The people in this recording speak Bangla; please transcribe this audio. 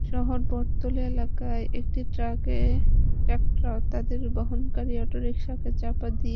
শহরের বটতলী এলাকায় একটি ট্রাক্টর তাঁদের বহনকারী অটোরিকশাকে চাপা দিয়ে চলে যায়।